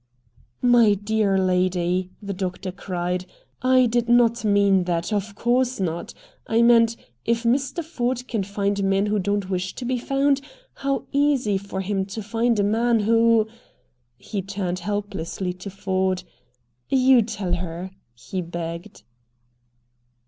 "My dear lady!" the doctor cried. "I did not mean that, of course not. I meant, if Mr. Ford can find men who don't wish to be found, how easy for him to find a man who " He turned helplessly to Ford. "You tell her," he begged.